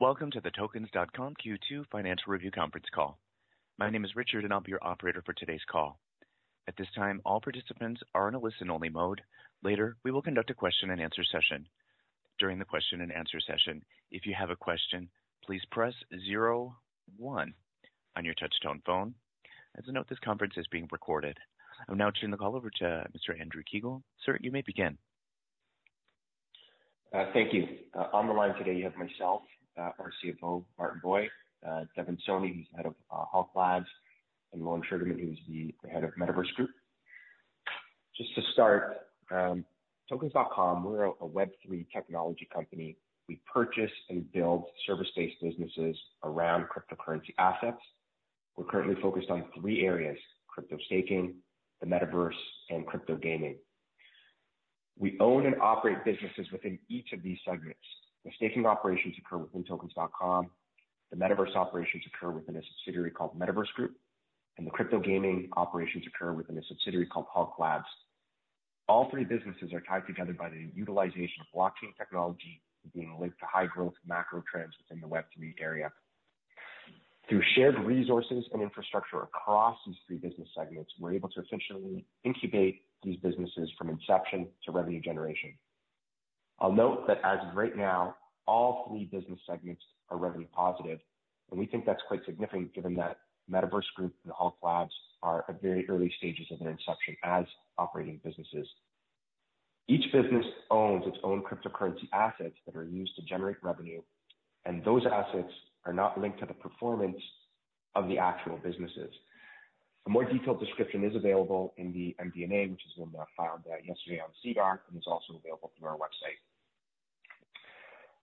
Welcome to the Tokens.com Q2 Financial Review conference call. My name is Richard and I'll be your operator for today's call. At this time, all participants are in a listen-only mode. Later, we will conduct a question-and-answer session. During the question-and-answer session, if you have a question, please press zero one on your touchtone phone. As a note, this conference is being recorded. I'll now turn the call over to Mr. Andrew Kiguel. Sir, you may begin. Thank you. On the line today you have myself, our CFO, Martin Bui, Deven Soni, who's head of Hulk Labs, and Lorne Sugarman, who's the head of Metaverse Group. Just to start, Tokens.com, we're a Web3 technology company. We purchase and build service-based businesses around cryptocurrency assets. We're currently focused on three areas: crypto staking, the Metaverse, and crypto gaming. We own and operate businesses within each of these segments. The staking operations occur within Tokens.com, the Metaverse operations occur within a subsidiary called Metaverse Group, and the crypto gaming operations occur within a subsidiary called Hulk Labs. All three businesses are tied together by the utilization of blockchain technology being linked to high-growth macro trends within the Web3 area. Through shared resources and infrastructure across these three business segments, we're able to efficiently incubate these businesses from inception to revenue generation. I'll note that as of right now, all three business segments are revenue positive, and we think that's quite significant given that Metaverse Group and Hulk Labs are at very early stages of their inception as operating businesses. Each business owns its own cryptocurrency assets that are used to generate revenue, and those assets are not linked to the performance of the actual businesses. A more detailed description is available in the MD&A, which is the one that filed yesterday on SEDAR and is also available through our website.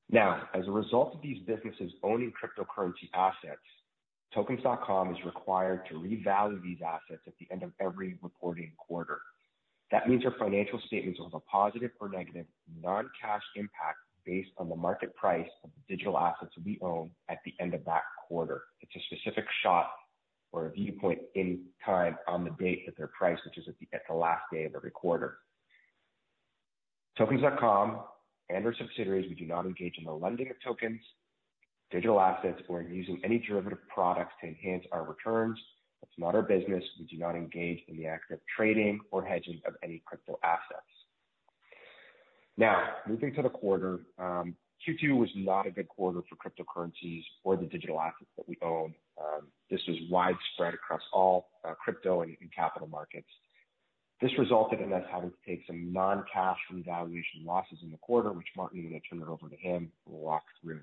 Now, as a result of these businesses owning cryptocurrency assets, Tokens.com is required to revalue these assets at the end of every reporting quarter. That means our financial statements have a positive or negative non-cash impact based on the market price of the digital assets we own at the end of that quarter. It's a specific shot or a viewpoint in time on the date at their price, which is at the last day of every quarter. Tokens.com and our subsidiaries, we do not engage in the lending of tokens, digital assets, or in using any derivative products to enhance our returns. That's not our business. We do not engage in the act of trading or hedging of any crypto assets. Now, moving to the quarter, Q2 was not a good quarter for cryptocurrencies or the digital assets that we own. This was widespread across all crypto and capital markets. This resulted in us having to take some non-cash revaluation losses in the quarter, which Martin, I'm gonna turn it over to him to walk through.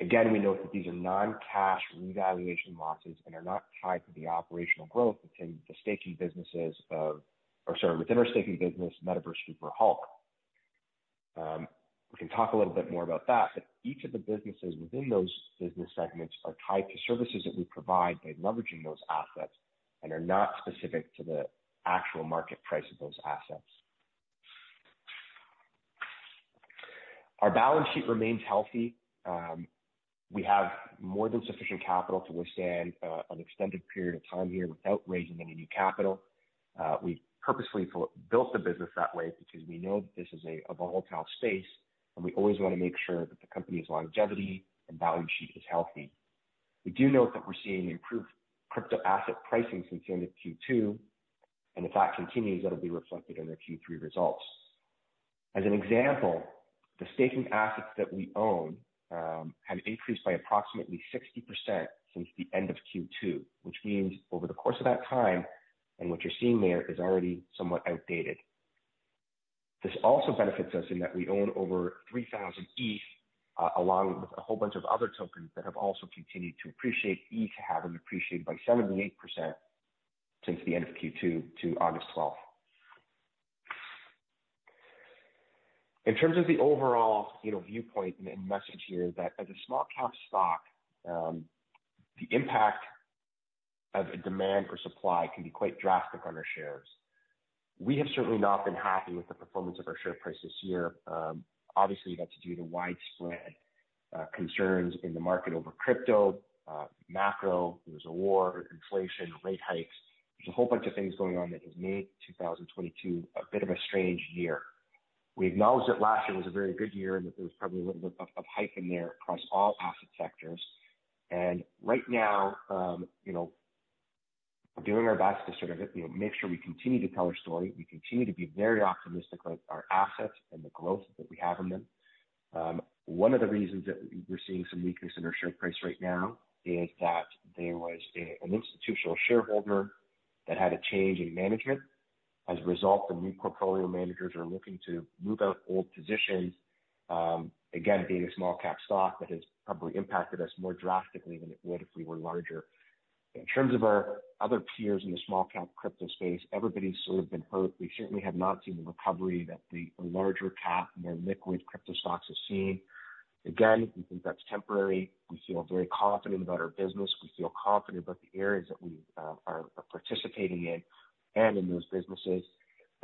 Again, we note that these are non-cash revaluation losses and are not tied to the operational growth within our staking business, Metaverse Group or Hulk. We can talk a little bit more about that, but each of the businesses within those business segments are tied to services that we provide by leveraging those assets and are not specific to the actual market price of those assets. Our balance sheet remains healthy. We have more than sufficient capital to withstand an extended period of time here without raising any new capital. We've purposefully built the business that way because we know that this is a volatile space and we always wanna make sure that the company's longevity and balance sheet is healthy. We do note that we're seeing improved crypto asset pricing since the end of Q2, and if that continues, that'll be reflected in our Q3 results. As an example, the staking assets that we own have increased by approximately 60% since the end of Q2, which means over the course of that time, and what you're seeing there is already somewhat outdated. This also benefits us in that we own over 3,000 ETH along with a whole bunch of other tokens that have also continued to appreciate. ETH having appreciated by 78% since the end of Q2 to August 12th. In terms of the overall, you know, viewpoint and message here that as a small-cap stock, the impact of a demand for supply can be quite drastic on our shares. We have certainly not been happy with the performance of our share price this year. Obviously, that's due to widespread concerns in the market over crypto, macro. There was a war, inflation, rate hikes. There's a whole bunch of things going on that has made 2022 a bit of a strange year. We acknowledge that last year was a very good year and that there was probably a little bit of hype in there across all asset sectors. Right now, you know, we're doing our best to sort of, you know, make sure we continue to tell our story. We continue to be very optimistic about our assets and the growth that we have in them. One of the reasons that we're seeing some weakness in our share price right now is that there was an institutional shareholder that had a change in management. As a result, the new portfolio managers are looking to move out old positions. Again, being a small cap stock, that has probably impacted us more drastically than it would if we were larger. In terms of our other peers in the small cap crypto space, everybody's sort of been hurt. We certainly have not seen the recovery that the larger cap, more liquid crypto stocks have seen. Again, we think that's temporary. We feel very confident about our business. We feel confident about the areas that we are participating in and in those businesses.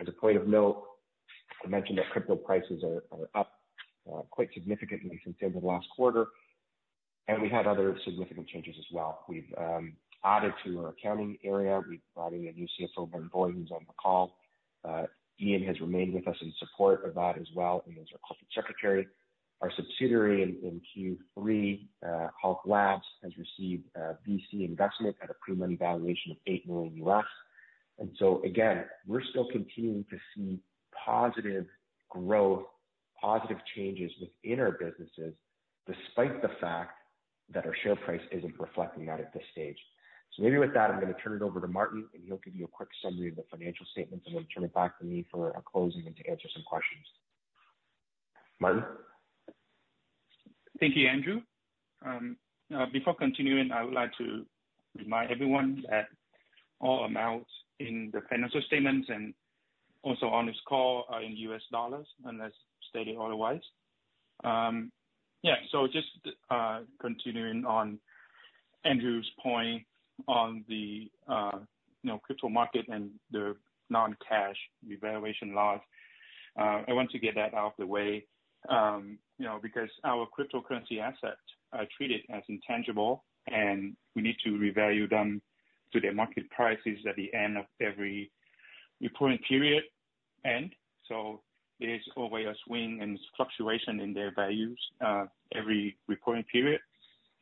As a point of note, I mentioned that crypto prices are up quite significantly since the end of last quarter. We had other significant changes as well. We've added to our accounting area. We've added a new CFO, Martin Bui, who's on the call. Ian Fodie has remained with us in support of that as well, and as our Corporate Secretary. Our subsidiary in Q3, Hulk Labs, has received a VC investment at a pre-money valuation of $8 million. Again, we're still continuing to see positive growth, positive changes within our businesses, despite the fact that our share price isn't reflecting that at this stage. Maybe with that, I'm gonna turn it over to Martin Bui, and he'll give you a quick summary of the financial statements, and then turn it back to me for our closing and to answer some questions. Martin? Thank you, Andrew. Before continuing, I would like to remind everyone that all amounts in the financial statements and also on this call are in U.S. dollars, unless stated otherwise. Yeah. Just continuing on Andrew's point on the, you know, crypto market and the non-cash revaluation loss. I want to get that out of the way, you know, because our cryptocurrency assets are treated as intangible, and we need to revalue them to their market prices at the end of every reporting period end. There is always a swing and fluctuation in their values every reporting period.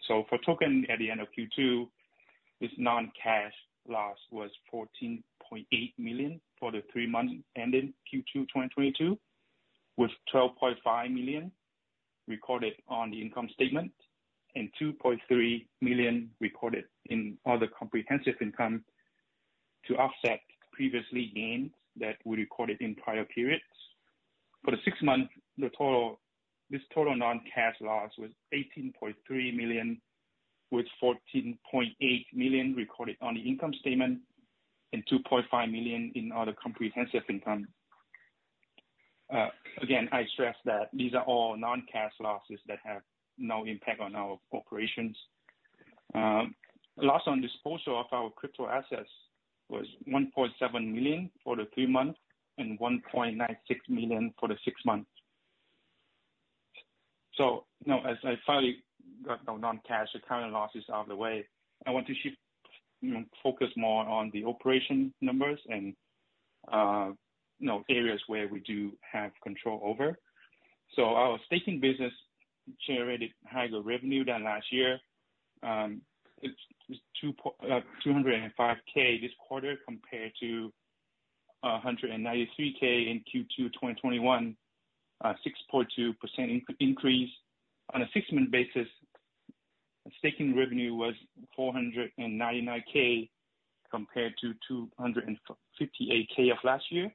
For Token, at the end of Q2, its non-cash loss was $14.8 million for the three months ending Q2 2022, with $12.5 million recorded on the income statement and $2.3 million recorded in other comprehensive income to offset previous gains that we recorded in prior periods. For the six months, the total, this total non-cash loss was $18.3 million, with $14.8 million recorded on the income statement and $2.5 million in other comprehensive income. Again, I stress that these are all non-cash losses that have no impact on our operations. Loss on disposal of our crypto assets was $1.7 million for the three months and $1.96 million for the six months. You know, as I finally got the non-cash accounting losses out of the way, I want to shift, you know, focus more on the operating numbers and, you know, areas where we do have control over. Our staking business generated higher revenue than last year. It's $205K this quarter compared to $193K in Q2 2021, 6.2% increase. On a six-month basis, staking revenue was $499K compared to $258K of last year,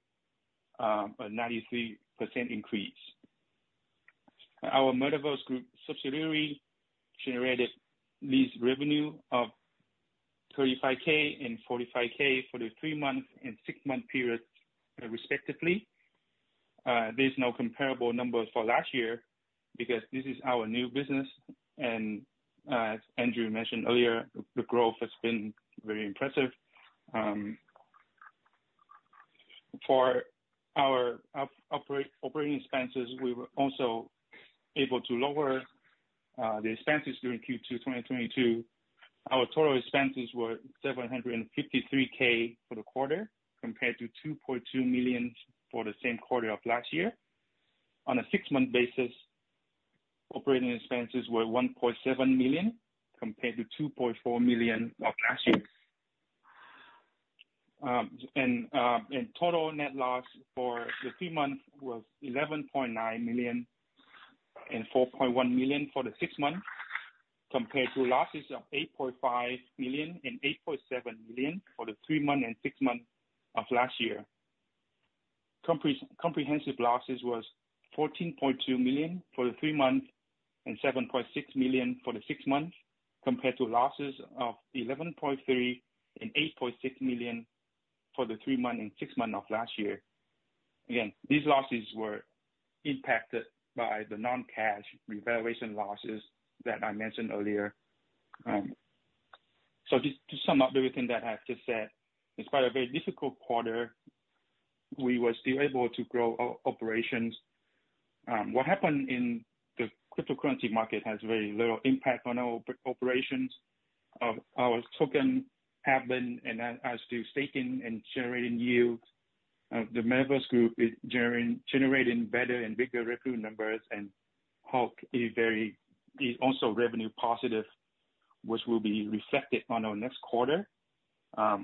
93% increase. Our Metaverse Group subsidiary generated lease revenue of $35K and $45K for the three-month and six-month period, respectively. There's no comparable number for last year because this is our new business, and as Andrew mentioned earlier, the growth has been very impressive. For our operating expenses, we were also able to lower the expenses during Q2 2022. Our total expenses were $753K for the quarter, compared to $2.2 million for the same quarter of last year. On a six-month basis, operating expenses were $1.7 million, compared to $2.4 million of last year. Total net loss for the three months was $11.9 million and $4.1 million for the six months, compared to losses of $8.5 million and $8.7 million for the three-month and six-month of last year. Comprehensive losses was $14.2 million for the three months and $7.6 million for the six months, compared to losses of $11.3 million and $8.6 million for the three-month and six-month of last year. These losses were impacted by the non-cash revaluation losses that I mentioned earlier. Just to sum up everything that I've just said, despite a very difficult quarter, we were still able to grow our operations. What happened in the cryptocurrency market has very little impact on our operations. Our token have been, and as to staking and generating yield, the Metaverse Group is generating better and bigger revenue numbers, and Hulk is also revenue positive, which will be reflected on our next quarter.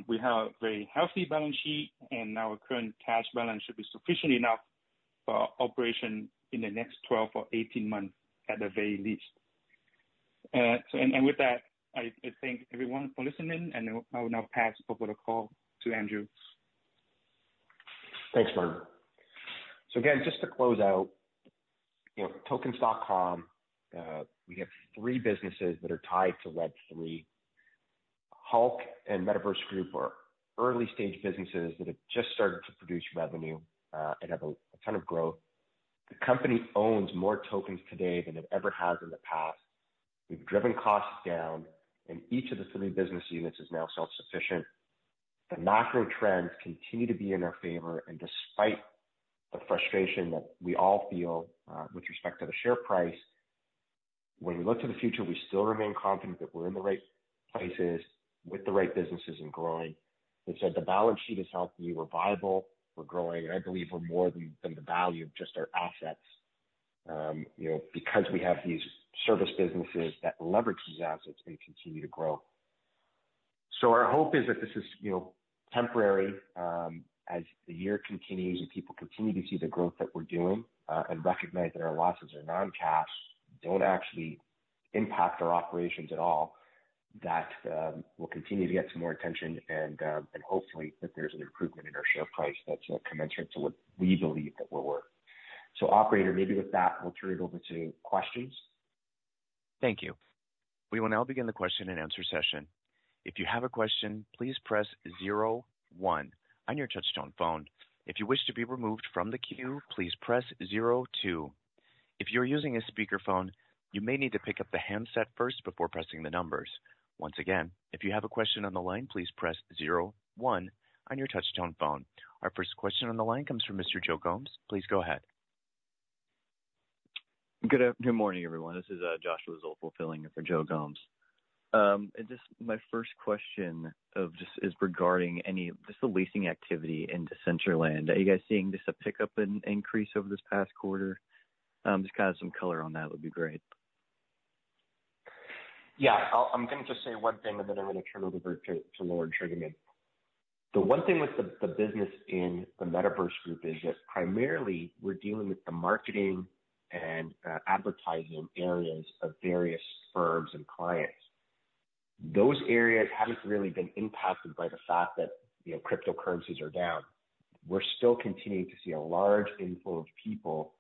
We have a very healthy balance sheet, and our current cash balance should be sufficient enough for operation in the next 12 or 18 months at the very least. With that, I thank everyone for listening, and I will now pass over the call to Andrew. Thanks, Martin. Again, just to close out, you know, Tokens.com, we have three businesses that are tied to Web3. Hulk Labs and Metaverse Group are early-stage businesses that have just started to produce revenue, and have a ton of growth. The company owns more tokens today than it ever has in the past. We've driven costs down, and each of the three business units is now self-sufficient. The macro trends continue to be in our favor. Despite the frustration that we all feel, with respect to the share price, when we look to the future, we still remain confident that we're in the right places with the right businesses and growing. We said the balance sheet is healthy, we're viable, we're growing, and I believe we're more than the value of just our assets, you know, because we have these service businesses that leverage these assets and continue to grow. Our hope is that this is, you know, temporary. As the year continues and people continue to see the growth that we're doing, and recognize that our losses are non-cash, don't actually impact our operations at all, that we'll continue to get some more attention and hopefully that there's an improvement in our share price that's, you know, commensurate to what we believe that we're worth. Operator, maybe with that, we'll turn it over to questions. Thank you. We will now begin the question and answer session. If you have a question, please press zero one on your touchtone phone. If you wish to be removed from the queue, please press zero two. If you're using a speakerphone, you may need to pick up the handset first before pressing the numbers. Once again, if you have a question on the line, please press zero one on your touchtone phone. Our first question on the line comes from Mr. Joe Gomes. Please go ahead. Good morning, everyone. This is Joshua Zoepfel fulfilling for Joe Gomes. Just my first question is regarding just the leasing activity in Decentraland. Are you guys seeing just a pickup, an increase over this past quarter? Just kind of some color on that would be great. Yeah. I'm gonna just say one thing, and then I'm gonna turn it over to Lorne Sugarman. The one thing with the business in the Metaverse Group is that primarily we're dealing with the marketing and advertising areas of various firms and clients. Those areas haven't really been impacted by the fact that, you know, cryptocurrencies are down. We're still continuing to see a large inflow of people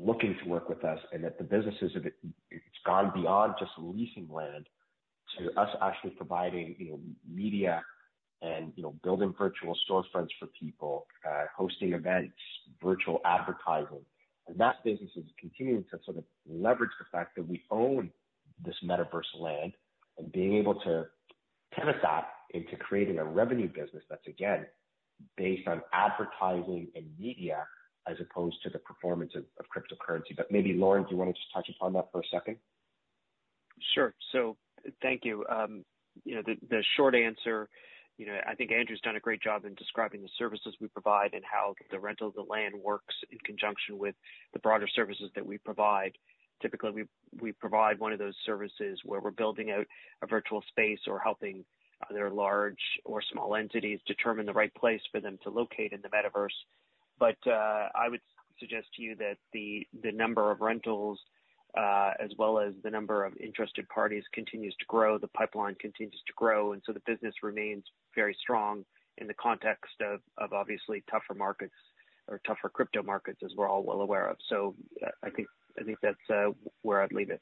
looking to work with us, and that the businesses have gone beyond just leasing land to us actually providing, you know, media and, you know, building virtual storefronts for people, hosting events, virtual advertising. That business is continuing to sort of leverage the fact that we own this metaverse land and being able to turn that into creating a revenue business that's again based on advertising and media as opposed to the performance of cryptocurrency. Maybe, Lorne, do you wanna just touch upon that for a second? Sure. Thank you. You know, the short answer, you know, I think Andrew's done a great job in describing the services we provide and how the rental of the land works in conjunction with the broader services that we provide. Typically, we provide one of those services where we're building out a virtual space or helping other large or small entities determine the right place for them to locate in the metaverse. I would suggest to you that the number of rentals, as well as the number of interested parties continues to grow. The pipeline continues to grow, and so the business remains very strong in the context of obviously tougher markets or tougher crypto markets, as we're all well aware of. I think that's where I'd leave it.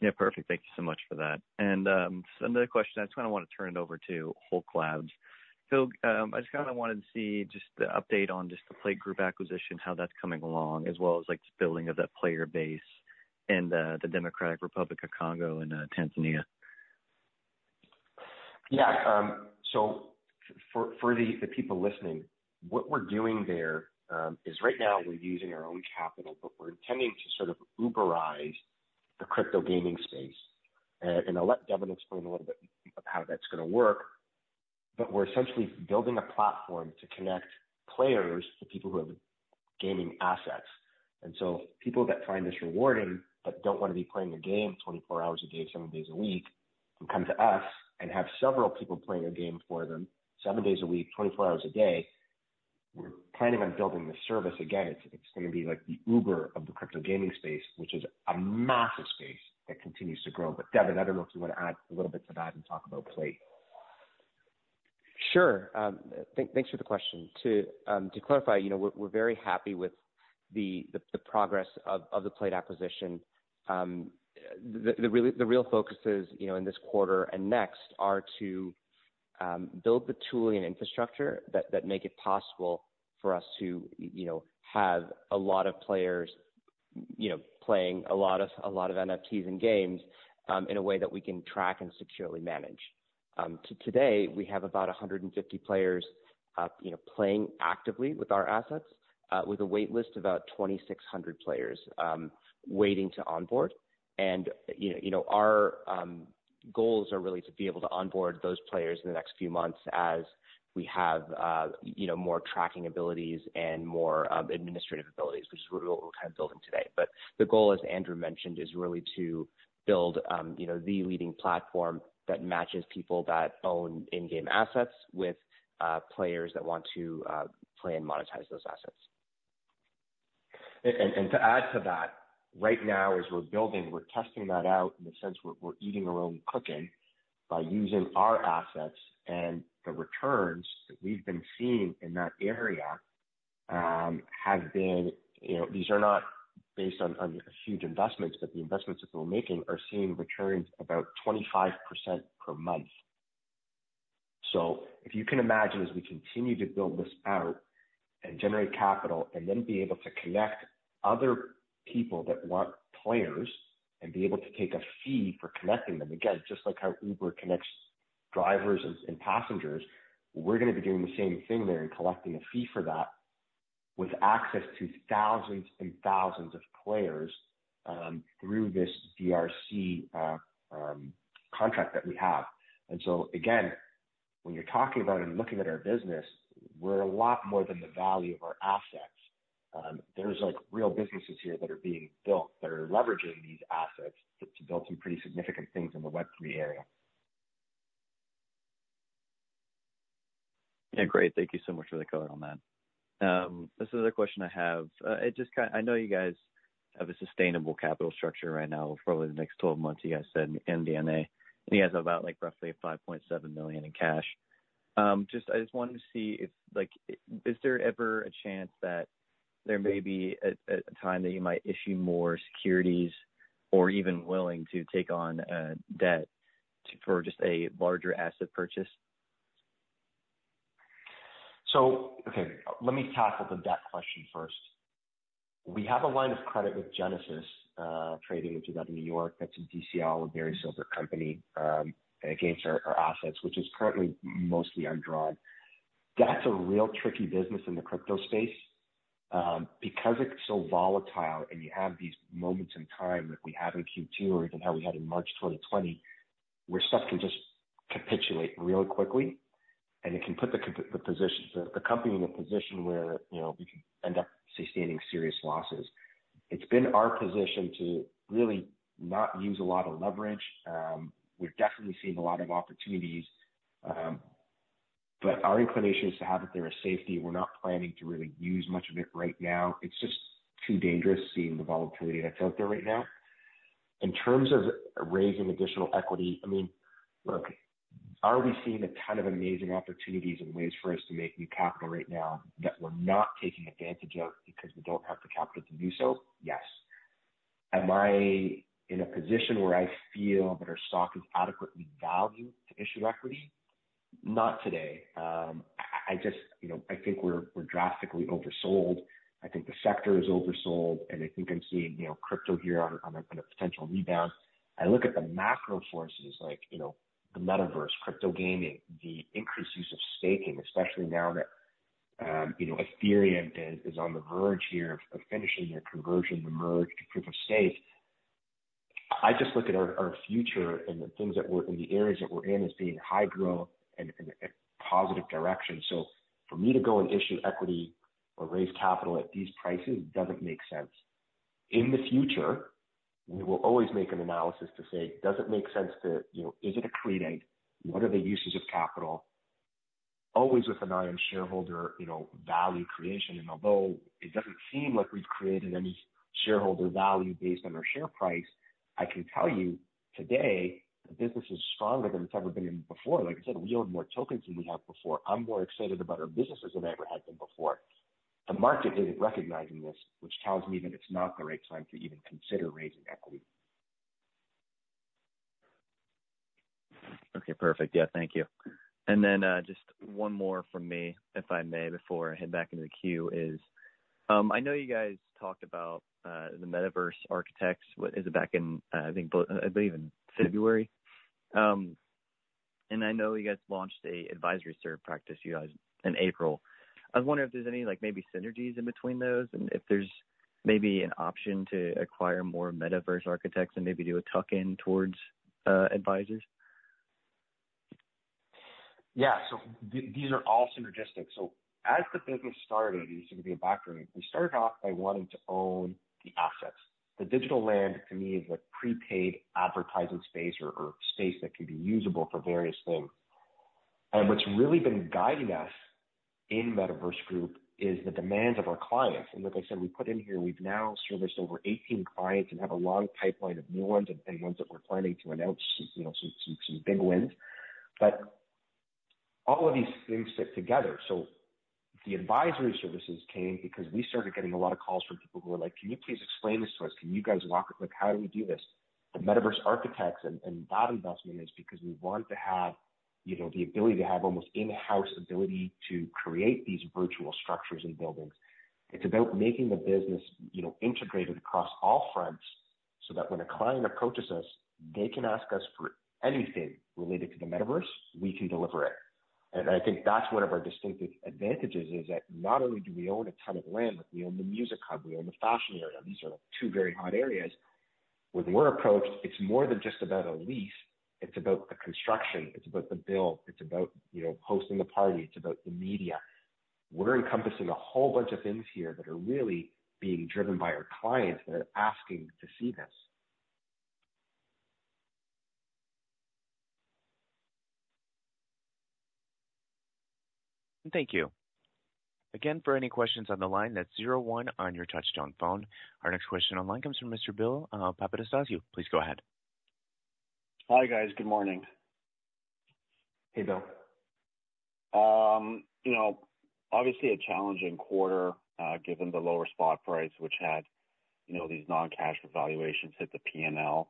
Yeah. Perfect. Thank you so much for that. Another question, I just kinda wanna turn it over to Hulk Labs. I just kinda wanted to see just the update on just the Play Group acquisition, how that's coming along, as well as like just building of that player base in the Democratic Republic of the Congo and Tanzania. Yeah. For the people listening, what we're doing there is right now we're using our own capital, but we're intending to sort of Uberize the crypto gaming space. I'll let Devin explain a little bit of how that's gonna work. We're essentially building a platform to connect players to people who have gaming assets. People that find this rewarding but don't wanna be playing a game 24 hours a day, seven days a week, can come to us and have several people playing a game for them seven days a week, 24 hours a day. We're planning on building the service. Again, it's gonna be like the Uber of the crypto gaming space, which is a massive space that continues to grow. Deven, I don't know if you wanna add a little bit to that and talk about Play. Sure. Thanks for the question. To clarify, you know, we're very happy with the progress of the Play acquisition. The real focus is, you know, in this quarter and next to build the tooling infrastructure that make it possible for us to, you know, have a lot of players, you know, playing a lot of NFTs and games in a way that we can track and securely manage. Today, we have about 150 players, you know, playing actively with our assets with a wait list of about 2,600 players waiting to onboard. You know, our goals are really to be able to onboard those players in the next few months as we have you know, more tracking abilities and more administrative abilities, which is what we're kind of building today. The goal, as Andrew mentioned, is really to build you know, the leading platform that matches people that own in-game assets with players that want to play and monetize those assets. To add to that, right now, as we're building, we're testing that out in the sense we're eating our own cooking by using our assets. The returns that we've been seeing in that area have been. You know, these are not based on huge investments, but the investments that we're making are seeing returns about 25% per month. If you can imagine, as we continue to build this out and generate capital and then be able to connect other people that want players and be able to take a fee for connecting them. Again, just like how Uber connects drivers and passengers, we're gonna be doing the same thing there and collecting a fee for that with access to thousands and thousands of players through this ERC contract that we have. Again, when you're talking about and looking at our business, we're a lot more than the value of our assets. There's like real businesses here that are being built that are leveraging these assets to build some pretty significant things in the Web3 area. Yeah. Great. Thank you so much for the color on that. This is a question I have. I know you guys have a sustainable capital structure right now for probably the next 12 months, you guys said in the MD&A. You guys have about like roughly $5.7 million in cash. I just wanted to see if like, is there ever a chance that there may be a time that you might issue more securities or even willing to take on debt to for just a larger asset purchase? Okay. Let me tackle the debt question first. We have a line of credit with Genesis Global Trading in New York. That's in DCG with Barry Silbert Company against our assets, which is currently mostly undrawn. That's a real tricky business in the crypto space. Because it's so volatile and you have these moments in time like we had in Q2 or even how we had in March 2020, where stuff can just capitulate really quickly, and it can put the company in a position where, you know, we can end up sustaining serious losses. It's been our position to really not use a lot of leverage. We've definitely seen a lot of opportunities, but our inclination is to have it there as safety. We're not planning to really use much of it right now. It's just too dangerous seeing the volatility that's out there right now. In terms of raising additional equity, I mean, look, are we seeing a ton of amazing opportunities and ways for us to make new capital right now that we're not taking advantage of because we don't have the capital to do so? Yes. Am I in a position where I feel that our stock is adequately valued to issue equity? Not today. I just, you know, I think we're drastically oversold. I think the sector is oversold, and I think I'm seeing, you know, crypto here on a potential rebound. I look at the macro forces like, you know, the Metaverse, crypto gaming, the increased use of staking, especially now that, you know, Ethereum is on the verge here of finishing their conversion, the Merge to proof-of-stake. I just look at our future and the things that we're in, the areas that we're in as being high growth and a positive direction. For me to go and issue equity or raise capital at these prices doesn't make sense. In the future, we will always make an analysis to say, does it make sense to, you know, is it accretive? What are the uses of capital? Always with an eye on shareholder, you know, value creation. Although it doesn't seem like we've created any shareholder value based on our share price, I can tell you today the business is stronger than it's ever been in before. Like I said, we own more tokens than we have before. I'm more excited about our business than I ever had been before. The market isn't recognizing this, which tells me that it's not the right time to even consider raising equity. Okay. Perfect. Yeah, thank you. Just one more from me, if I may, before I head back into the queue. I know you guys talked about the Metaverse Architects acquisition back in February, I believe. I know you guys launched an advisory service practice in April. I was wondering if there's any, like, maybe synergies in between those and if there's maybe an option to acquire more Metaverse Architects and maybe do a tuck-in towards advisors. Yeah. These are all synergistic. As the business started, and this is gonna be a background, we started off by wanting to own the assets. The digital land to me is like prepaid advertising space or space that can be usable for various things. What's really been guiding us in Metaverse Group is the demands of our clients. Like I said, we put in here, we've now serviced over 18 clients and have a long pipeline of new ones and ones that we're planning to announce, you know, some big wins. All of these things fit together. The advisory services came because we started getting a lot of calls from people who are like, "Can you please explain this to us? Can you guys walk, like, how do we do this? The Metaverse Architects and that investment is because we want to have, you know, the ability to have almost in-house ability to create these virtual structures and buildings. It's about making the business, you know, integrated across all fronts so that when a client approaches us, they can ask us for anything related to the Metaverse, we can deliver it. I think that's one of our distinctive advantages is that not only do we own a ton of land, but we own the music hub, we own the fashion area. These are two very hot areas. When we're approached, it's more than just about a lease. It's about the construction, it's about the build, it's about, you know, hosting the party, it's about the media. We're encompassing a whole bunch of things here that are really being driven by our clients that are asking to see this. Thank you. Again, for any questions on the line, that's zero one on your touch-tone phone. Our next question on line comes from Mr. Bill Papanastasiou. Please go ahead. Hi, guys. Good morning. Hey, Bill. You know, obviously a challenging quarter, given the lower spot price which had, you know, these non-cash evaluations hit the PNL.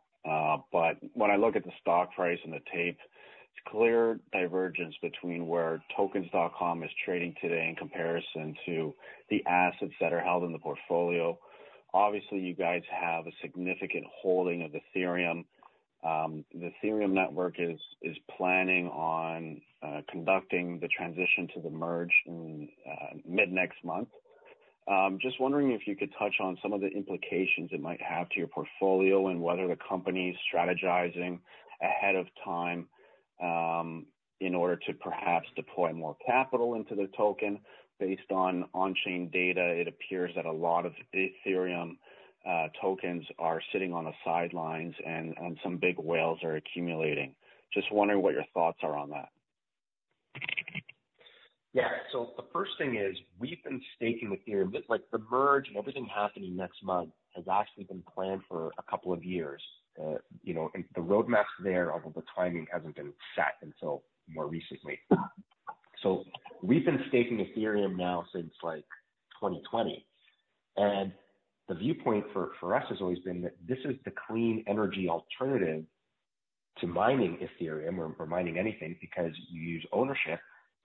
When I look at the stock price and the tape, it's clear divergence between where Tokens.com is trading today in comparison to the assets that are held in the portfolio. Obviously, you guys have a significant holding of Ethereum. The Ethereum network is planning on conducting the transition to The Merge in mid-next month. Just wondering if you could touch on some of the implications it might have to your portfolio and whether the company's strategizing ahead of time in order to perhaps deploy more capital into the token. Based on on-chain data, it appears that a lot of Ethereum tokens are sitting on the sidelines and some big whales are accumulating. Just wondering what your thoughts are on that. Yeah. The first thing is we've been staking Ethereum. Like The Merge and everything happening next month has actually been planned for a couple of years. You know, the roadmap's there, although the timing hasn't been set until more recently. We've been staking Ethereum now since, like, 2020. The viewpoint for us has always been that this is the clean energy alternative to mining Ethereum or mining anything because you use ownership.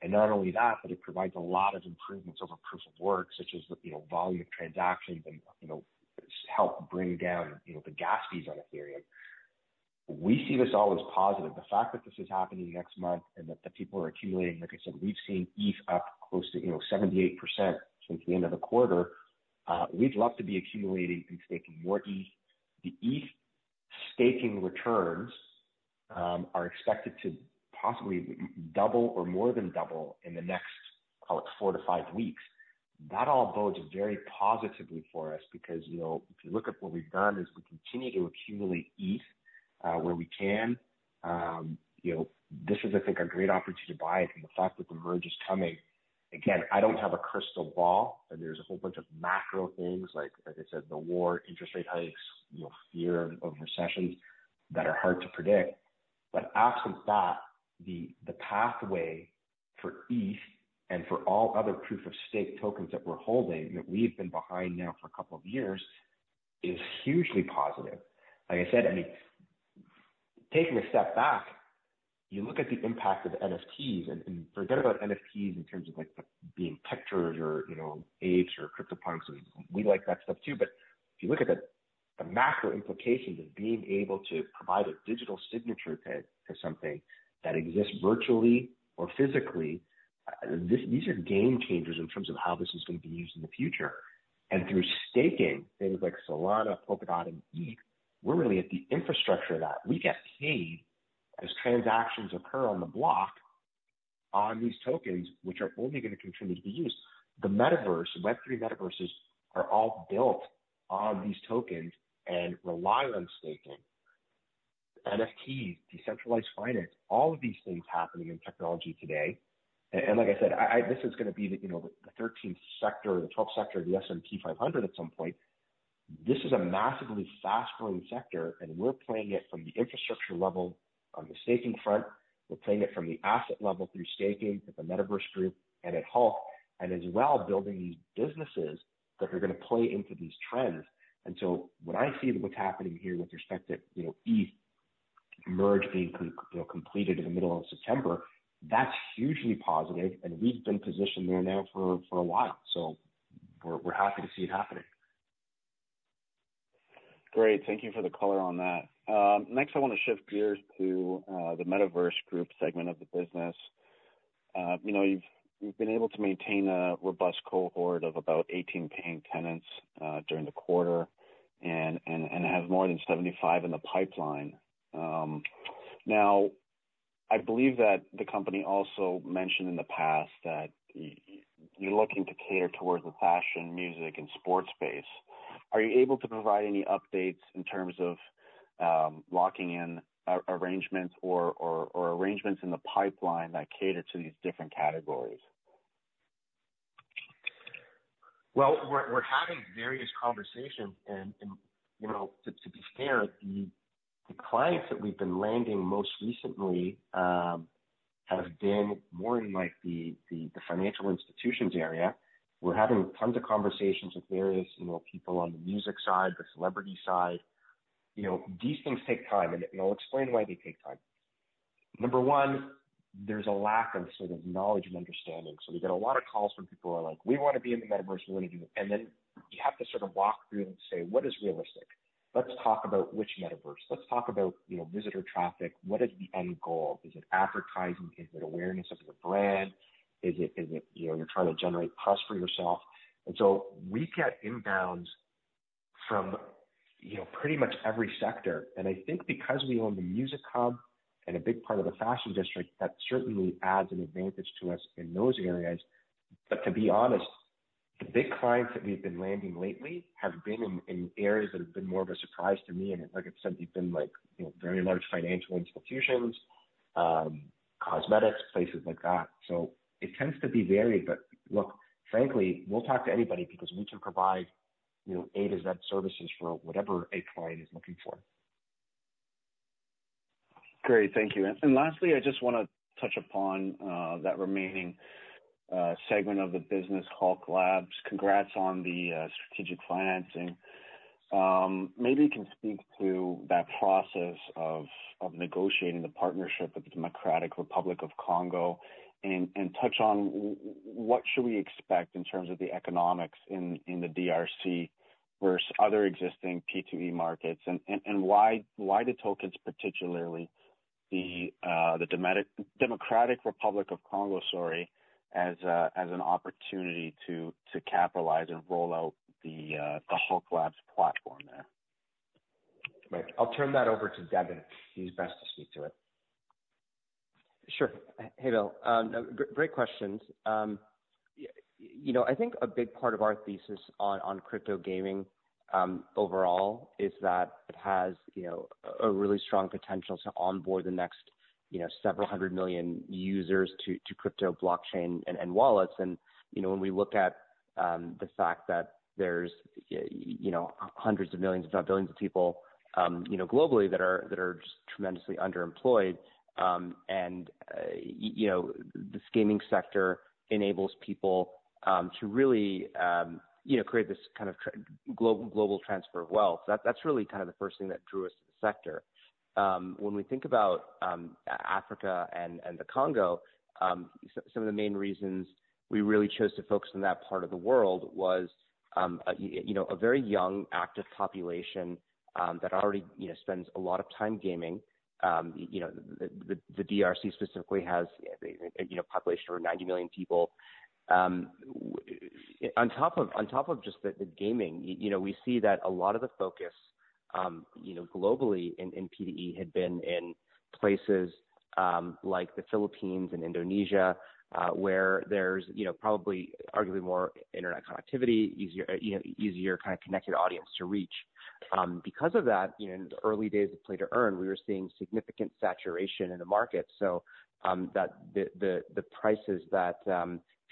Not only that, but it provides a lot of improvements over proof-of-work such as the, you know, volume of transactions and, you know, help bring down, you know, the gas fees on Ethereum. We see this all as positive. The fact that this is happening next month and that people are accumulating, like I said, we've seen ETH up close to, you know, 78% since the end of the quarter. We'd love to be accumulating and staking more ETH. The ETH staking returns are expected to possibly double or more than double in the next, call it, four to five weeks. That all bodes very positively for us because, you know, if you look at what we've done, is we continue to accumulate ETH where we can. You know, this is I think a great opportunity to buy it and the fact that The Merge is coming. Again, I don't have a crystal ball, and there's a whole bunch of macro things like I said, the war, interest rate hikes, you know, fear of recession that are hard to predict. Absent that, the pathway for ETH and for all other proof of stake tokens that we're holding, that we've been behind now for a couple of years, is hugely positive. Like I said, I mean, taking a step back, you look at the impact of NFTs and forget about NFTs in terms of like them being pictures or, you know, Apes or CryptoPunks. We like that stuff too, but if you look at the macro implications of being able to provide a digital signature to something that exists virtually or physically, this, these are game changers in terms of how this is gonna be used in the future. Through staking things like Solana, Polkadot, and ETH, we're really at the infrastructure of that. We get paid as transactions occur on the block on these tokens, which are only gonna continue to be used. The Metaverse, Web3 Metaverses, are all built on these tokens and rely on staking. NFTs, decentralized finance, all of these things happening in technology today. Like I said, this is gonna be, you know, the thirteenth sector or the twelfth sector of the S&P 500 at some point. This is a massively fast-growing sector, and we're playing it from the infrastructure level on the staking front. We're playing it from the asset level through staking with the Metaverse Group and at Hulk, and as well building these businesses that are gonna play into these trends. When I see what's happening here with respect to, you know, ETH merge being completed in the middle of September, that's hugely positive, and we've been positioned there now for a while. We're happy to see it happening. Great. Thank you for the color on that. Next I wanna shift gears to the Metaverse Group segment of the business. You know, you've been able to maintain a robust cohort of about 18 paying tenants during the quarter and have more than 75 in the pipeline. Now, I believe that the company also mentioned in the past that you're looking to cater towards the fashion, music, and sports space. Are you able to provide any updates in terms of locking in arrangements or arrangements in the pipeline that cater to these different categories? Well, we're having various conversations and you know to be fair the clients that we've been landing most recently have been more in like the financial institutions area. We're having tons of conversations with various you know people on the music side, the celebrity side. You know, these things take time, and I'll explain why they take time. Number one, there's a lack of sort of knowledge and understanding. We get a lot of calls from people who are like, "We wanna be in the Metaverse. We wanna do." Then you have to sort of walk through and say, "What is realistic? Let's talk about which Metaverse. Let's talk about you know visitor traffic. What is the end goal? Is it advertising? Is it awareness of the brand? Is it, you know, you're trying to generate buzz for yourself? We get inbounds from, you know, pretty much every sector. I think because we own the Music Hub and a big part of the Fashion District, that certainly adds an advantage to us in those areas. To be honest, the big clients that we've been landing lately have been in areas that have been more of a surprise to me. Like I've said, they've been like, you know, very large financial institutions, cosmetics, places like that. It tends to be varied. Look, frankly, we'll talk to anybody because we can provide, you know, A to Z services for whatever a client is looking for. Great. Thank you. Lastly, I just want to touch upon that remaining segment of the business, Hulk Labs. Congrats on the strategic financing. Maybe you can speak to that process of negotiating the partnership with the Democratic Republic of Congo and touch on what should we expect in terms of the economics in the DRC versus other existing P2E markets and why the tokens particularly the Democratic Republic of Congo, sorry, as an opportunity to capitalize and roll out the Hulk Labs platform there. Right. I'll turn that over to Deven. He's best to speak to it. Sure. Hey, Bill. Great questions. You know, I think a big part of our thesis on crypto gaming overall is that it has a really strong potential to onboard the next several hundred million users to crypto blockchain and wallets. You know, when we look at the fact that there's you know hundreds of millions, if not billions of people globally that are just tremendously underemployed and you know this gaming sector enables people to really you know create this kind of global transfer of wealth. That's really kind of the first thing that drew us to the sector. When we think about Africa and the Congo, some of the main reasons we really chose to focus on that part of the world was a very young, active population that already spends a lot of time gaming. You know, the DRC specifically has a population of 90 million people. On top of just the gaming, you know, we see that a lot of the focus globally in P2E had been in places like the Philippines and Indonesia, where there's probably arguably more internet connectivity, easier kind of connected audience to reach. Because of that, you know, in the early days of play-to-earn, we were seeing significant saturation in the market, so that the prices that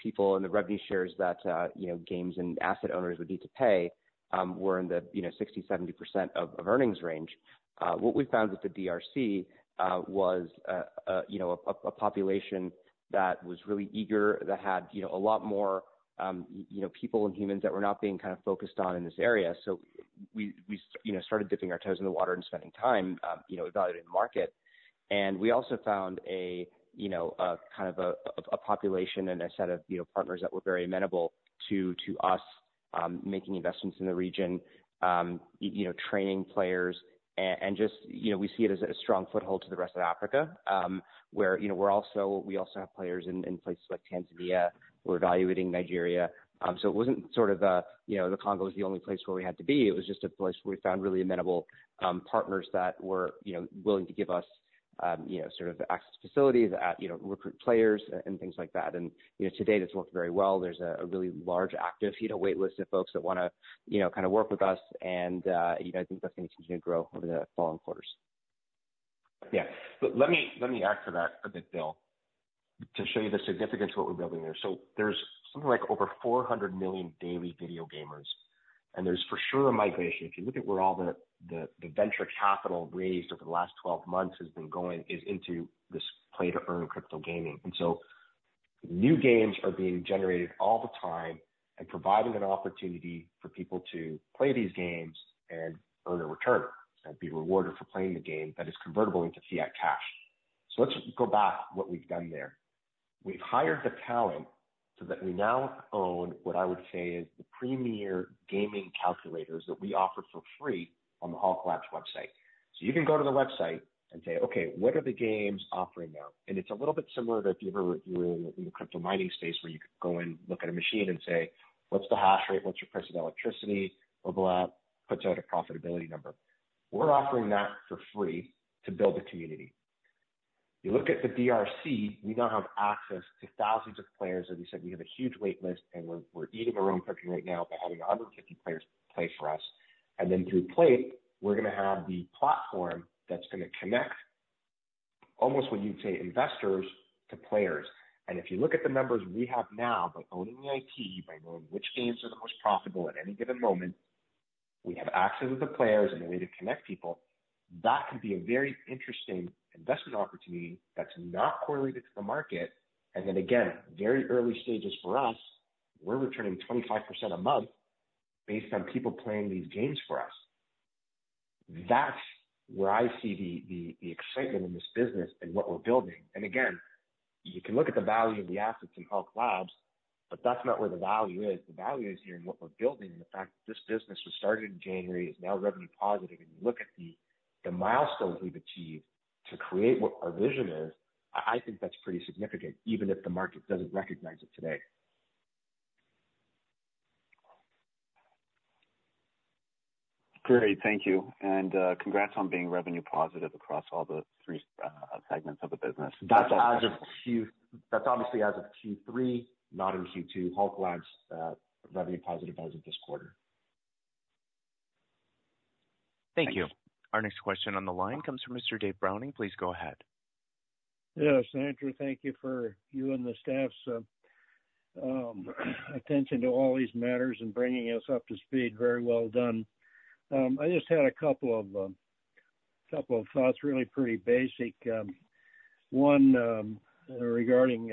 people and the revenue shares that, you know, games and asset owners would need to pay were in the 60%-70% of earnings range. What we found with the DRC was you know, a population that was really eager, that had you know, a lot more you know, people and humans that were not being kind of focused on in this area. We you know, started dipping our toes in the water and spending time you know, evaluating the market. We also found a population and a set of, you know, partners that were very amenable to us making investments in the region, you know, training players and just, you know, we see it as a strong foothold to the rest of Africa, where, you know, we also have players in places like Tanzania. We're evaluating Nigeria. It wasn't sort of a, you know, the Congo was the only place where we had to be. It was just a place where we found really amenable partners that were, you know, willing to give us, you know, sort of access to facilities, you know, recruit players and things like that. You know, to date, it's worked very well. There's a really large active, you know, wait list of folks that wanna, you know, kinda work with us and, you know, I think that's gonna continue to grow over the following quarters. Yeah. Let me add to that a bit, Bill, to show you the significance of what we're building there. There's something like over 400 million daily video gamers, and there's for sure a migration. If you look at where all the venture capital raised over the last 12 months has been going is into this play-to-earn crypto gaming. New games are being generated all the time and providing an opportunity for people to play these games and earn a return and be rewarded for playing the game that is convertible into fiat cash. Let's go back to what we've done there. We've hired the talent so that we now own what I would say is the premier gaming calculators that we offer for free on the Hulk Labs website. You can go to the website and say, "Okay, what are the games offering now?" It's a little bit similar to if you ever were in the crypto mining space where you could go in, look at a machine and say, "What's the hash rate? What's your price of electricity?" Mobile app puts out a profitability number. We're offering that for free to build the community. You look at the DRC, we now have access to thousands of players. As you said, we have a huge wait list and we're eating our own cooking right now by having 150 players play for us. Through Play it, we're gonna have the platform that's gonna connect almost what you'd say, investors to players. If you look at the numbers we have now, by owning the IT, by knowing which games are the most profitable at any given moment, we have access to the players and a way to connect people. That could be a very interesting investment opportunity that's not correlated to the market. Then again, very early stages for us. We're returning 25% a month based on people playing these games for us. That's where I see the excitement in this business and what we're building. Then again, you can look at the value of the assets in Hulk Labs, but that's not where the value is. The value is here in what we're building and the fact that this business was started in January, is now revenue positive. You look at the milestones we've achieved to create what our vision is. I think that's pretty significant even if the market doesn't recognize it today. Great. Thank you. Congrats on being revenue positive across all the three segments of the business. That's obviously as of Q3, not in Q2. Hulk Labs, revenue positive as of this quarter. Thank you. Our next question on the line comes from Mr. Dave Browning. Please go ahead. Yes, Andrew, thank you for your and the staff's attention to all these matters and bringing us up to speed. Very well done. I just had a couple of thoughts, really pretty basic. One, regarding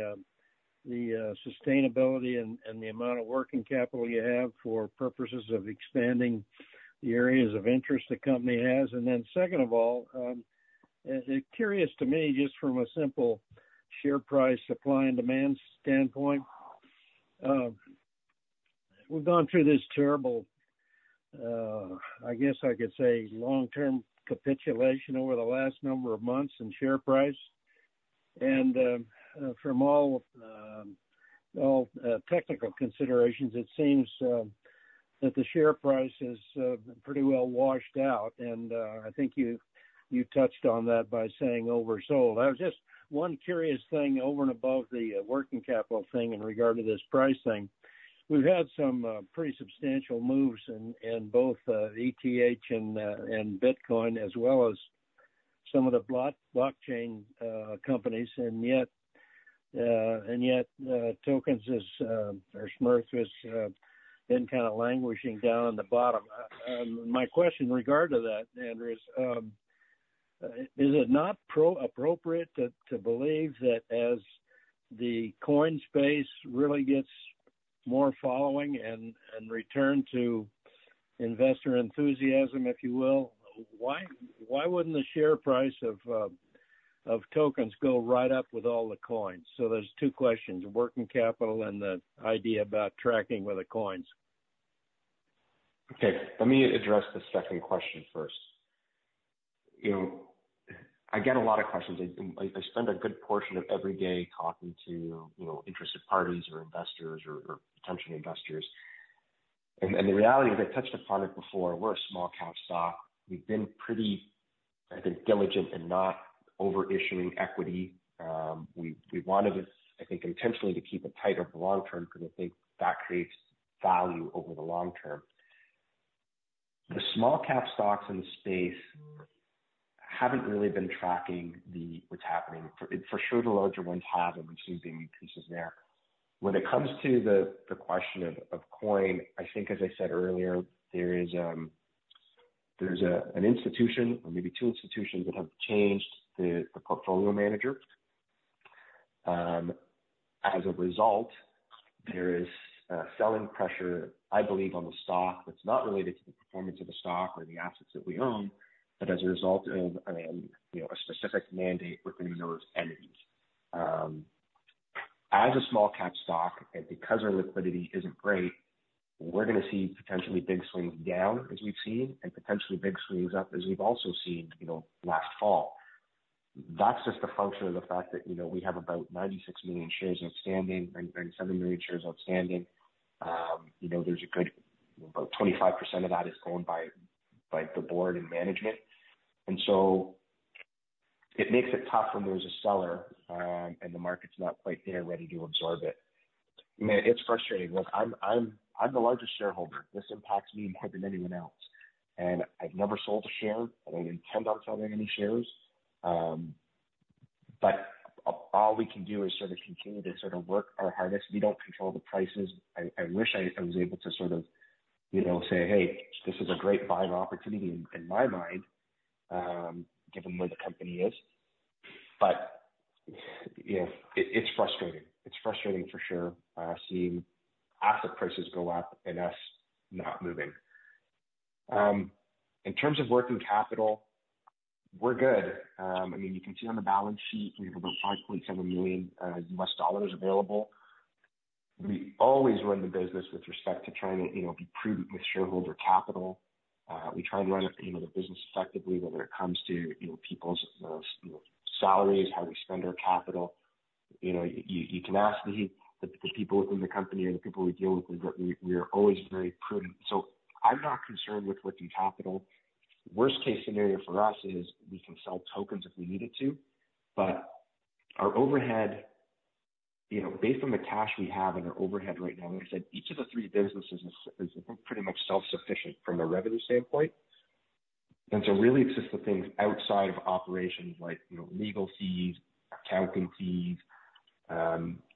the sustainability and the amount of working capital you have for purposes of expanding the areas of interest the company has. Then second of all, it's curious to me, just from a simple share price supply and demand standpoint, we've gone through this terrible, I guess I could say long-term capitulation over the last number of months in share price. From all technical considerations, it seems that the share price has been pretty well washed out. I think you touched on that by saying oversold. I have just one curious thing over and above the working capital thing in regard to this pricing. We've had some pretty substantial moves in both ETH and Bitcoin, as well as some of the blockchain companies. Yet Tokens has been kind of languishing down on the bottom. My question in regard to that, Andrew, is it not appropriate to believe that as the coin space really gets more following and return to investor enthusiasm, if you will, why wouldn't the share price of Tokens go right up with all the coins? There's two questions, working capital and the idea about tracking with the coins. Okay, let me address the second question first. You know, I get a lot of questions. I spend a good portion of every day talking to, you know, interested parties or investors or potential investors. The reality is, I touched upon it before, we're a small cap stock. We've been pretty, I think, diligent in not overissuing equity. We wanted it, I think, intentionally to keep it tighter for long term because I think that creates value over the long term. The small cap stocks in the space haven't really been tracking what's happening. For sure the larger ones have, and we've seen big increases there. When it comes to the question of coin, I think, as I said earlier, there is, there's an institution or maybe two institutions that have changed the portfolio manager. As a result, there is selling pressure, I believe, on the stock that's not related to the performance of the stock or the assets that we own, but as a result of, you know, a specific mandate within those entities. As a small cap stock and because our liquidity isn't great, we're gonna see potentially big swings down as we've seen, and potentially big swings up as we've also seen, you know, last fall. That's just a function of the fact that, you know, we have about 96 million shares outstanding, 97 million shares outstanding. You know, there's about 25% of that owned by the board and management. It makes it tough when there's a seller, and the market's not quite there ready to absorb it. I mean, it's frustrating. Look, I'm the largest shareholder. This impacts me more than anyone else. I've never sold a share. I don't intend on selling any shares. But all we can do is sort of continue to sort of work our hardest. We don't control the prices. I wish I was able to sort of, you know, say, "Hey, this is a great buying opportunity in my mind, given where the company is." You know, it's frustrating. It's frustrating for sure, seeing asset prices go up and us not moving. In terms of working capital, we're good. I mean, you can see on the balance sheet we have about $5.7 million available. We always run the business with respect to trying to, you know, be prudent with shareholder capital. We try to run, you know, the business effectively, whether it comes to, you know, people's, you know, salaries, how we spend our capital. You know, you can ask the people within the company and the people we deal with, we are always very prudent. I'm not concerned with working capital. Worst case scenario for us is we can sell tokens if we needed to. Our overhead, you know, based on the cash we have and our overhead right now, like I said, each of the three businesses is pretty much self-sufficient from a revenue standpoint. Really it's just the things outside of operations like, you know, legal fees, accounting fees,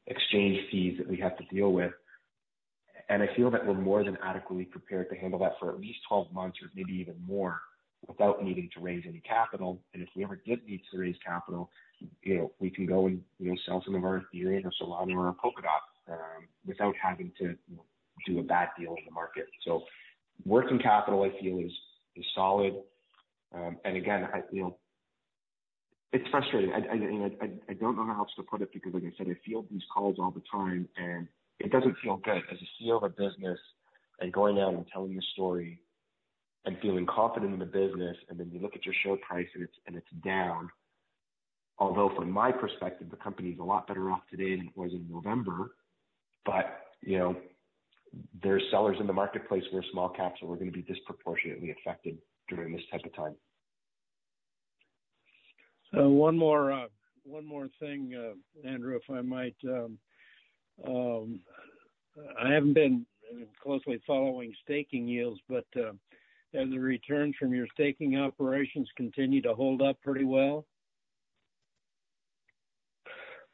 exchange fees that we have to deal with. I feel that we're more than adequately prepared to handle that for at least 12 months or maybe even more without needing to raise any capital. If we ever did need to raise capital, you know, we can go and, you know, sell some of our Ethereum or Solana or Polkadot without having to do a bad deal in the market. Working capital I feel is solid. Again, I, you know. It's frustrating. I don't know how else to put it because like I said, I field these calls all the time, and it doesn't feel good as a CEO of a business and going out and telling the story and feeling confident in the business, and then you look at your share price and it's down. Although from my perspective, the company's a lot better off today than it was in November. You know, there are sellers in the marketplace, and we're a small cap, so we're gonna be disproportionately affected during this type of time. One more thing, Andrew, if I might, I haven't been closely following staking yields, but does the return from your staking operations continue to hold up pretty well?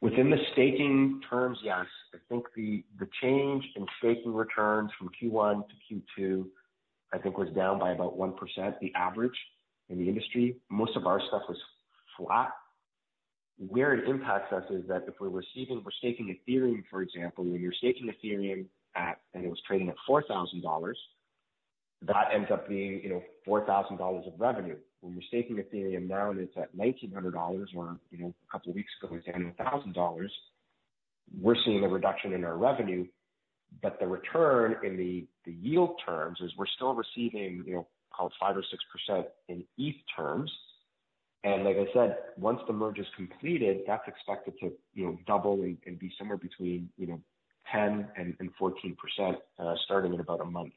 Within the staking terms, yes. I think the change in staking returns from Q1 to Q2, I think, was down by about 1%, the average in the industry. Most of our stuff was flat. Where it impacts us is that we're staking Ethereum, for example, when you're staking Ethereum at. It was trading at $4,000, that ends up being, you know, $4,000 of revenue. When you're staking Ethereum now, and it's at $1,900, where, you know, a couple of weeks ago it was down to $1,000, we're seeing a reduction in our revenue. The return in the yield terms is we're still receiving, you know, probably 5% or 6% in ETH terms. Like I said, once the merge is completed, that's expected to, you know, double and be somewhere between 10% and 14%, starting in about a month.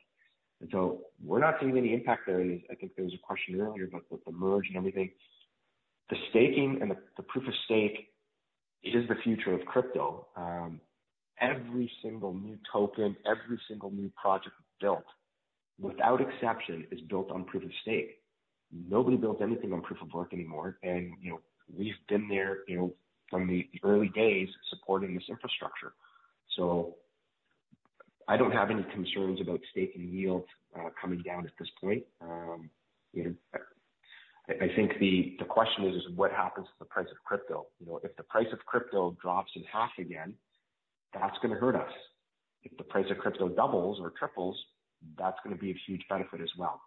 We're not seeing any impact there. I think there was a question earlier about the merge and everything. The staking and the proof-of-stake is the future of crypto. Every single new token, every single new project built, without exception, is built on proof-of-stake. Nobody builds anything on proof-of-work anymore. You know, we've been there, you know, from the early days supporting this infrastructure. I don't have any concerns about staking yields coming down at this point. You know, I think the question is, what happens to the price of crypto? You know, if the price of crypto drops in half again, that's gonna hurt us. If the price of crypto doubles or triples, that's gonna be a huge benefit as well.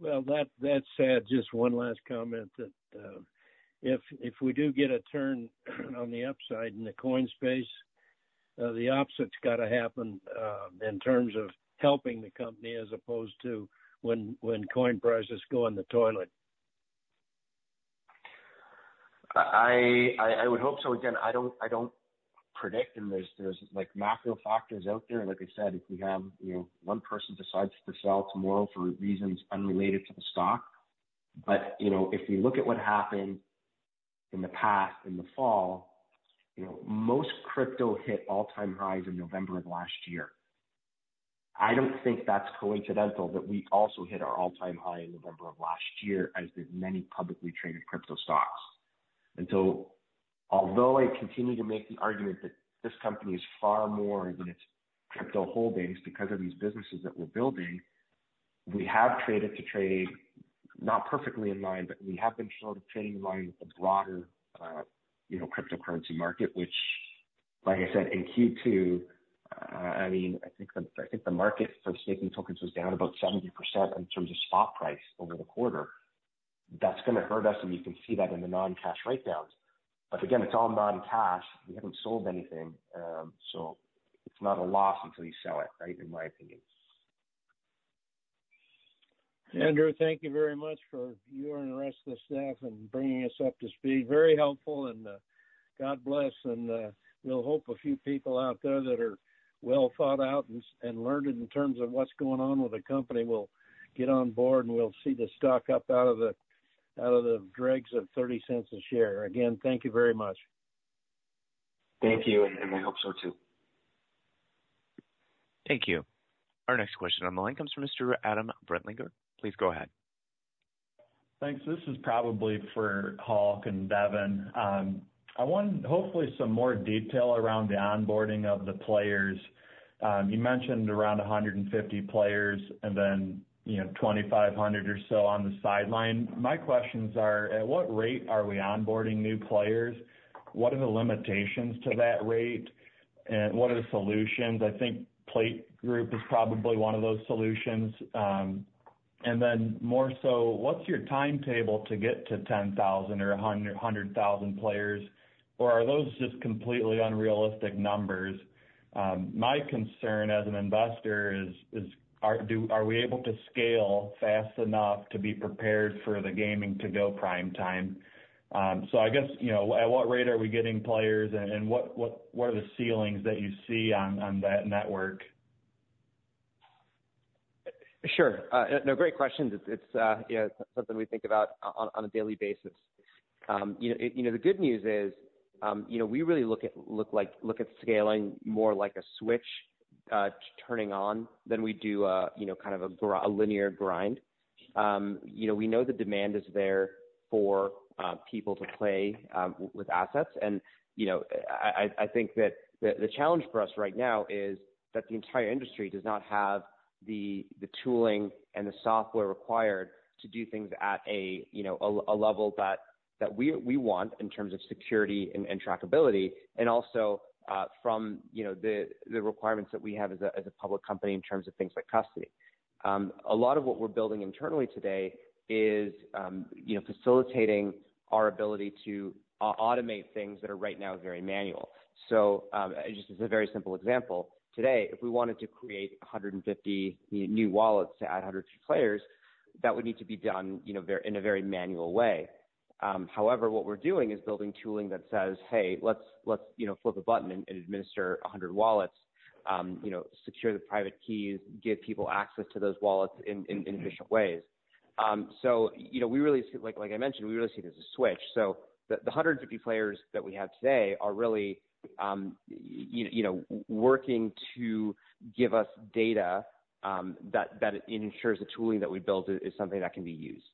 Well, that said, just one last comment that if we do get a turn on the upside in the coin space, the opposite's gotta happen in terms of helping the company as opposed to when coin prices go in the toilet. I would hope so. Again, I don't predict, and there's like macro factors out there. Like I said, if we have, you know, one person decides to sell tomorrow for reasons unrelated to the stock. You know, if we look at what happened in the past, in the fall, you know, most crypto hit all-time highs in November of last year. I don't think that's coincidental that we also hit our all-time high in November of last year, as did many publicly traded crypto stocks. Although I continue to make the argument that this company is far more than its crypto holdings because of these businesses that we're building, we have traded, too, not perfectly in line, but we have been sort of trading in line with the broader, you know, cryptocurrency market, which, like I said, in Q2, I mean, I think the market for staking tokens was down about 70% in terms of spot price over the quarter. That's gonna hurt us, and you can see that in the non-cash write-downs. Again, it's all non-cash. We haven't sold anything, so it's not a loss until you sell it, right? In my opinion. Andrew, thank you very much for you and the rest of the staff and bringing us up to speed. Very helpful, and God bless. We'll hope a few people out there that are well thought out and learned in terms of what's going on with the company will get on board, and we'll see the stock up out of the dregs of $0.30 a share. Again, thank you very much. Thank you, and I hope so too. Thank you. Our next question on the line comes from Mr. Adam Brentlinger. Please go ahead. Thanks. This is probably for Hulk and Deven. I want hopefully some more detail around the onboarding of the players. You mentioned around 150 players and then, you know, 2,500 or so on the sideline. My questions are, at what rate are we onboarding new players? What are the limitations to that rate, and what are the solutions? I think Play Group is probably one of those solutions. More so, what's your timetable to get to 10,000 or 100,000 players, or are those just completely unrealistic numbers? My concern as an investor is, are we able to scale fast enough to be prepared for the gaming to go prime time? I guess, you know, at what rate are we getting players and what are the ceilings that you see on that network? Sure. No, great questions. It's you know, something we think about on a daily basis. You know, the good news is, you know, we really look at scaling more like a switch turning on than we do you know, kind of a linear grind. You know, we know the demand is there for people to play with assets. You know, I think that the challenge for us right now is that the entire industry does not have the tooling and the software required to do things at a you know, a level that we want in terms of security and trackability, and also from you know, the requirements that we have as a public company in terms of things like custody. A lot of what we're building internally today is you know, facilitating our ability to automate things that are right now very manual. Just as a very simple example, today, if we wanted to create 150 new wallets to add 100 new players, that would need to be done, you know, in a very manual way. However, what we're doing is building tooling that says, "Hey, let's you know, flip a button and administer 100 wallets, you know, secure the private keys, give people access to those wallets in efficient ways. You know, we really see it as a switch. Like I mentioned, we really see it as a switch. The 150 players that we have today are really, you know, working to give us data, that ensures the tooling that we build is something that can be used.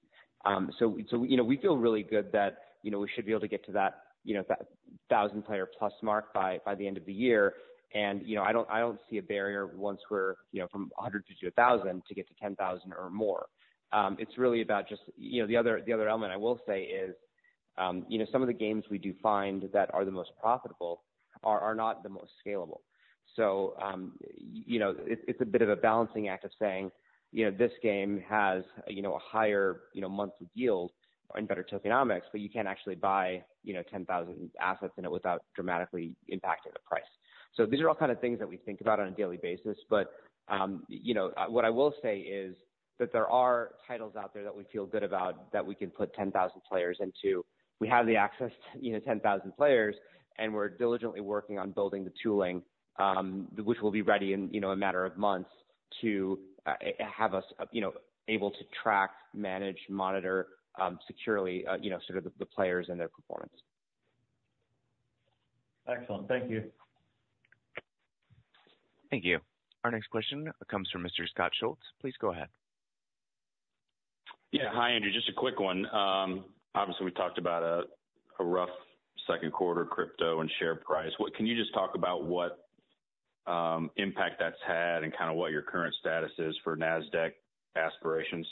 You know, we feel really good that, you know, we should be able to get to that, you know, that 1,000-player-plus mark by the end of the year. You know, I don't see a barrier once we're, you know, from 100 to 1,000 to get to 10,000 or more. It's really about just. You know, the other element I will say is, you know, some of the games we do find that are the most profitable are not the most scalable. You know, it's a bit of a balancing act of saying, you know, this game has a higher monthly yield and better tokenomics, but you can't actually buy, you know, 10,000 assets in it without dramatically impacting the price. These are all kind of things that we think about on a daily basis. You know, what I will say is that there are titles out there that we feel good about, that we can put 10,000 players into. We have the access to, you know, 10,000 players, and we're diligently working on building the tooling, which will be ready in, you know, a matter of months to have us, you know, able to track, manage, monitor securely, you know, sort of the players and their performance. Excellent. Thank you. Thank you. Our next question comes from Mr. Scott Schultz. Please go ahead. Yeah. Hi, Andrew. Just a quick one. Obviously we talked about a rough second quarter crypto and share price. Can you just talk about what impact that's had and kind of what your current status is for Nasdaq aspirations?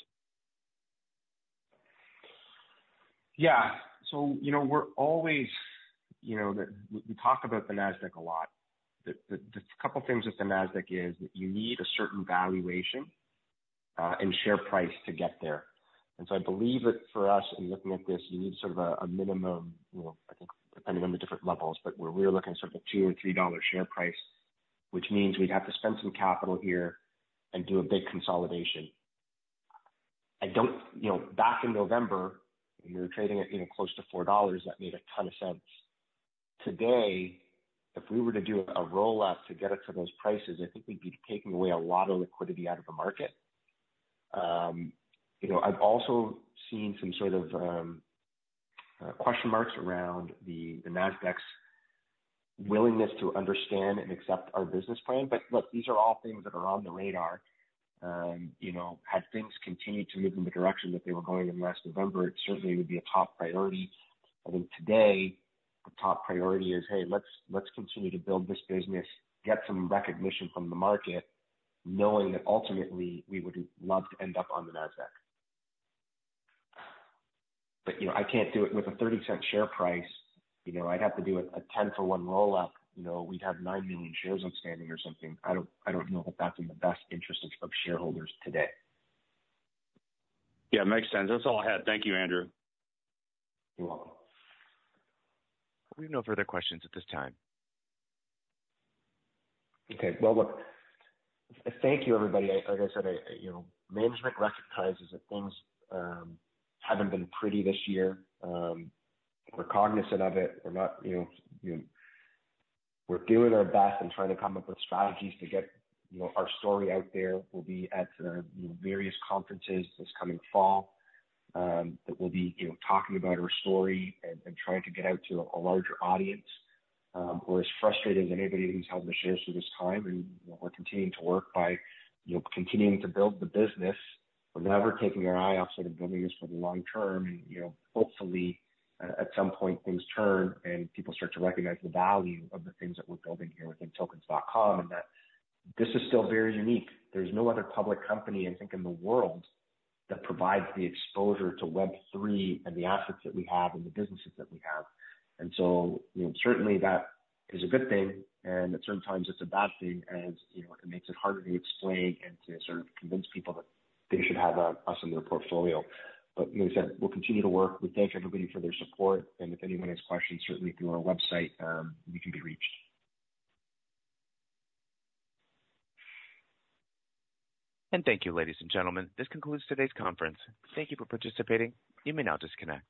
Yeah. You know, we're always, you know. We talk about the Nasdaq a lot. The couple things with the Nasdaq is you need a certain valuation and share price to get there. I believe that for us in looking at this, you need sort of a minimum, you know, I think depending on the different levels, but we're really looking sort of a $2-$3 share price, which means we'd have to spend some capital here and do a big consolidation. I don't. You know, back in November, we were trading at, you know, close to $4, that made a ton of sense. Today, if we were to do a roll-up to get it to those prices, I think we'd be taking away a lot of liquidity out of the market. You know, I've also seen some sort of question marks around the Nasdaq's willingness to understand and accept our business plan. Look, these are all things that are on the radar. You know, had things continued to move in the direction that they were going in last November, it certainly would be a top priority. I think today the top priority is, hey, let's continue to build this business, get some recognition from the market, knowing that ultimately we would love to end up on the Nasdaq. You know, I can't do it with a $0.30 share price. You know, I'd have to do a 10-for-1 roll-up. You know, we'd have 9 million shares outstanding or something. I don't know if that's in the best interest of shareholders today. Yeah, makes sense. That's all I had. Thank you, Andrew. You're welcome. We have no further questions at this time. Okay. Well, look, thank you, everybody. Like I said, you know, management recognizes that things haven't been pretty this year. We're cognizant of it. We're not, you know. We're doing our best and trying to come up with strategies to get, you know, our story out there. We'll be at, you know, various conferences this coming fall that we'll be, you know, talking about our story and trying to get out to a larger audience. We're as frustrated as anybody who's held the shares through this time, and we're continuing to work by, you know, continuing to build the business. We're never taking our eye off sort of building this for the long term. You know, hopefully at some point things turn, and people start to recognize the value of the things that we're building here within Tokens.com, and that this is still very unique. There's no other public company, I think, in the world that provides the exposure to Web3 and the assets that we have and the businesses that we have. You know, certainly that is a good thing, and at certain times it's a bad thing as, you know, it makes it harder to explain and to sort of convince people that they should have us in their portfolio. Like I said, we'll continue to work. We thank everybody for their support, and if anyone has questions, certainly through our website, we can be reached. Thank you, ladies and gentlemen. This concludes today's conference. Thank you for participating. You may now disconnect.